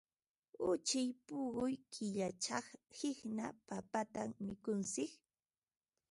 Uchik puquy killachaq qiqna papatam mikuntsik.